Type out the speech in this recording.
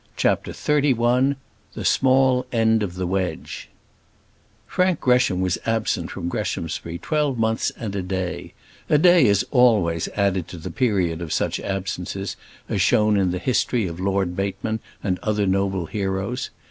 CHAPTER XXXI The Small End of the Wedge Frank Gresham was absent from Greshamsbury twelve months and a day: a day is always added to the period of such absences, as shown in the history of Lord Bateman and other noble heroes.